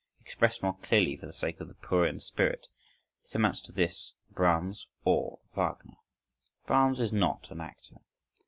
—Expressed more clearly for the sake of the "poor in spirit" it amounts to this: Brahms or Wagner.… Brahms is not an actor.